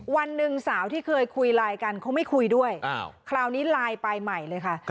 วันหนึ่งสาวที่เคยคุยไลน์กันเขาไม่คุยด้วยคราวนี้ไลน์ไปใหม่เลยค่ะ